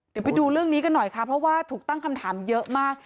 เดี๋ยวไปดูเรื่องนี้กันหน่อยค่ะเพราะว่าถูกตั้งคำถามเยอะมาก